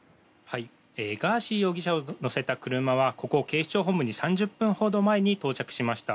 ガーシー容疑者を乗せた車はここ警視庁本部に３０分ほど前に到着しました。